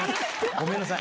ごめんなさい。